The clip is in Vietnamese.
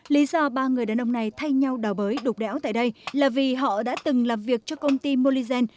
lý do ba người đàn ông này thay nhau đào bới đục đẽo tại đây là vì họ đã từng làm việc cho công ty moligen